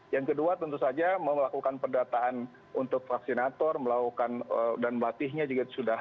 yang kedua tentu saja melakukan pendataan untuk vaksinator melakukan dan melatihnya juga sudah